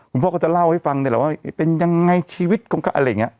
คุณพ่อก็จะเล่าให้ฟังนี่แหละว่าเป็นยังไงชีวิตของเขา